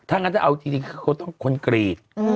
ถ้างั้นจะเอาจริงคือเขาต้องคนกรีต